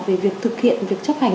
về việc thực hiện việc chấp hành